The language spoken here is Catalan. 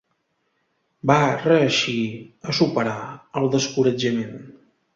Va reeixir a superar el descoratjament.